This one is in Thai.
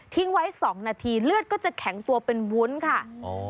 ไว้สองนาทีเลือดก็จะแข็งตัวเป็นวุ้นค่ะ